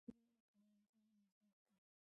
هغه ډير ګړندی مزل کوي.